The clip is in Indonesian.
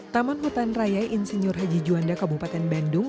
taman hutan raya insinyur haji juanda kabupaten bandung